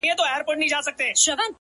دغه ساغر هغه ساغر هره ورځ نارې وهي ـ